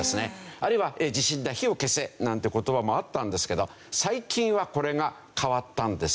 あるいは「地震だ火を消せ」なんて言葉もあったんですけど最近はこれが変わったんですよね。